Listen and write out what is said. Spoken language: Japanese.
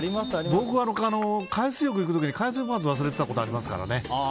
僕、海水浴行く時に海水パンツ忘れたことありますから。